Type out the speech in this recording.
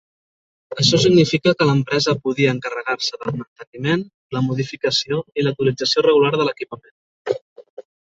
Això significa que l'empresa podia encarregar-se del manteniment, la modificació i l'actualització regular de l'equipament.